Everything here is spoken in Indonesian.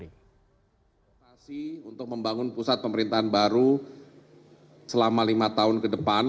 investasi untuk membangun pusat pemerintahan baru selama lima tahun ke depan